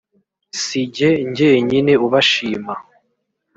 si jye jyenyine ubashima